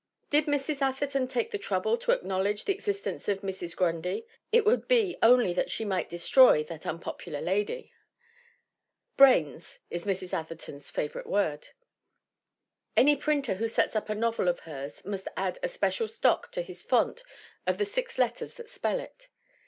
Did Mrs. Atherton take the trouble to acknowledge the exist ence of Mrs. Grundy, it would be only that she might destroy that unpopular lady. " 'Brains' is Mrs. Atherton's favorite word. Any printer who sets up a novel of hers must add a spe cial stock to his font of the six letters that spell it.